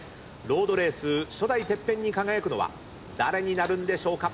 ロードレース初代ＴＥＰＰＥＮに輝くのは誰になるんでしょうか？